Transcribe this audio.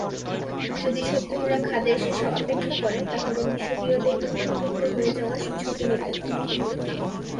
যদি শত্রুরা খাদের শেষে অপেক্ষা করে, তাহলে মিশরীয়দের টুকরো টুকরো হয়ে যাওয়ার ঝুঁকি নিতে হবে।